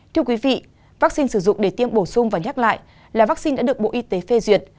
thưa quý vị vaccine sử dụng để tiêm bổ sung và nhắc lại là vaccine đã được bộ y tế phê duyệt